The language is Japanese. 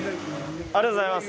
ありがとうございます。